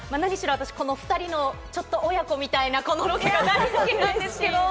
私、この２人の親子みたいなこのロケが大好きなんですけれども。